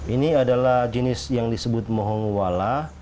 ini adalah jenis yang disebut mohong wala